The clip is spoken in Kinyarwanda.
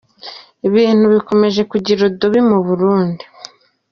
Ibintu bikomeje kujya irudubi mu Burundi.